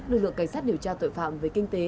lực lượng cảnh sát điều tra tội phạm về kinh tế